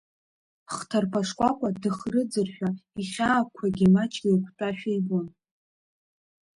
Хҭарԥа-шкәакәа дыхрыӡыршәа, ихьаақәагьы маҷк еиқәтәашәа ибон.